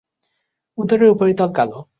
উদরের উপরিতল কালো।